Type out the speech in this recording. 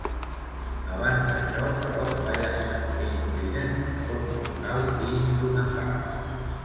Abans d'això, però, va llançar Being Ridden en forma vocal i instrumental.